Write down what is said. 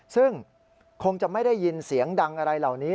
ซึ่งคงจะไม่ได้ยินเสียงดังอะไรเหล่านี้